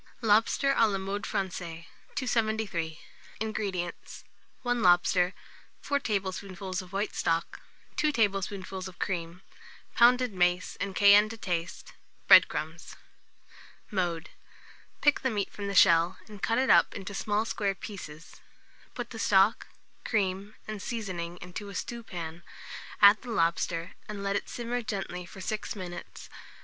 LOBSTER (a la Mode Francaise). 273. INGREDIENTS. 1 lobster, 4 tablespoonfuls of white stock, 2 tablespoonfuls of cream, pounded mace, and cayenne to taste; bread crumbs. Mode. Pick the meat from the shell, and cut it up into small square pieces; put the stock, cream, and seasoning into a stewpan, add the lobster, and let it simmer gently for 6 minutes.